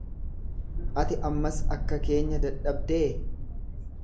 Ati ammas akka keenya dadhabdee?